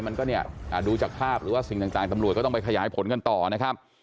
มันก็เนี่ยดูจากภาพหรือว่าสิ่งต่างตำรวจก็ต้องไปขยายผลกันต่อนะครับ